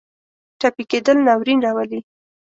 ټپي کېدل ناورین راولي.